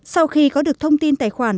sau khi có được thông tin tài khoản